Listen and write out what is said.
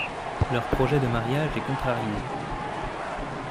Leur projet de mariage est contrarié.